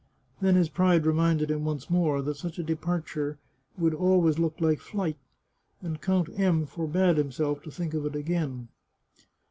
Then his pride reminded him once more that such a departure would always look like flight, and Count M forbade himself to think of it again.